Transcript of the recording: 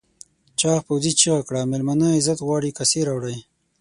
چاغ پوځي چیغه کړه مېلمانه عزت غواړي کاسې راوړئ.